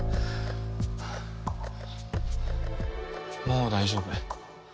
もう大丈夫。